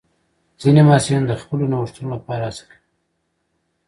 ځینې محصلین د خپلو نوښتونو لپاره هڅه کوي.